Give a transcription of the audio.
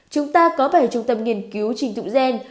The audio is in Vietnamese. chúng ta có bảy trung tâm nghiên cứu trình thụ gen